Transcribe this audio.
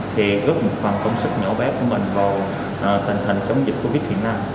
thì góp một phần công sức nhỏ bé của mình vào tình hình chống dịch covid một mươi chín